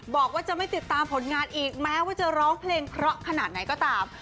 บอกว่าจะไม่ติดตามผลงานอีกแม้ว่าจะร้องเพลงเพราะขนาดไหนก็ตาม